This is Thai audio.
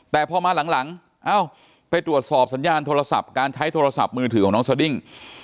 แต่พอมาหลังเอ้าไปตรวจสอบสัญญาณโทรศัพท์การใช้โทรศัพท์มือถือของน้องสดิ้ง